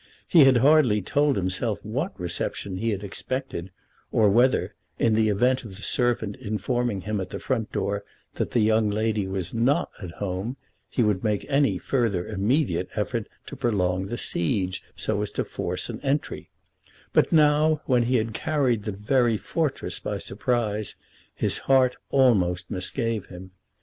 He had hardly told himself what reception he had expected, or whether, in the event of the servant informing him at the front door that the young lady was not at home he would make any further immediate effort to prolong the siege so as to force an entry; but now, when he had carried the very fortress by surprise, his heart almost misgave him.